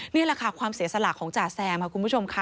นี่แหละค่ะความเสียสละของจ่าแซมค่ะคุณผู้ชมค่ะ